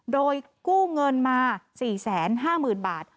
โดยกู้เงินมา๔๕๐๐๐บาท